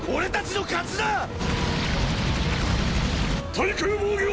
対空防御！